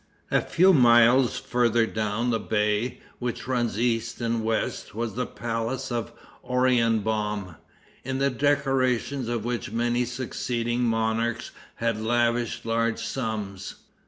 A few miles further down the bay, which runs east and west, was the palace of Oranienbaum, in the decoration of which many succeeding monarchs had lavished large sums.